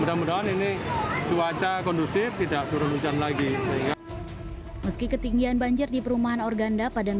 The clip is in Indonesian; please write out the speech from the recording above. mudah mudahan ini cuaca kondusif tidak turun hujan lagi meski ketinggian banjir di perumahan organda padang